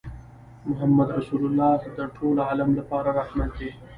محمدُ رَّسول الله د ټول عالم لپاره رحمت دی